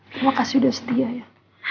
terima kasih sudah sedia ya